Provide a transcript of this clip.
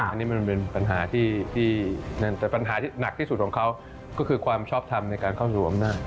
อันนี้มันเป็นปัญหาที่นั่นแต่ปัญหาที่หนักที่สุดของเขาก็คือความชอบทำในการเข้าสู่อำนาจ